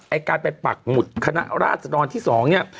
ไอ้การไปปักหมุดคณะราชดรที่๒เนี่ย